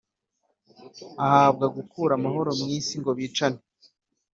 ahabwa gukura amahoro mu isi ngo bicane